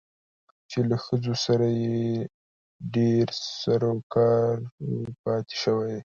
چې له ښځو سره يې ډېر سرو کارو پاتې شوى